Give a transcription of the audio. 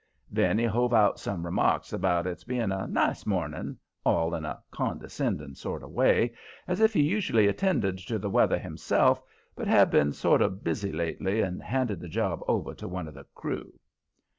Then he hove out some remarks about its being a nice morning, all in a condescending sort of way, as if he usually attended to the weather himself, but had been sort of busy lately, and had handed the job over to one of the crew.